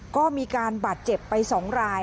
ก็มีการบาดเจ็บไป๒ราย